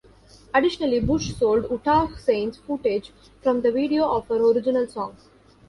Additionally, Bush sold Utah Saints footage from the video of her original song.